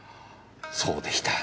そうでした。